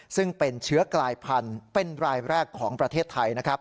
ซึ่งเป็นเชื้อกลายพันธุ์เป็นรายแรกของประเทศไทยนะครับ